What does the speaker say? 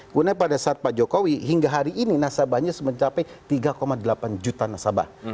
karena pada saat pak jokowi hingga hari ini nasabahnya mencapai tiga delapan juta nasabah